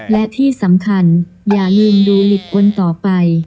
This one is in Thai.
และที่สำคัญอย่าลืมดูลิปอนต่อไป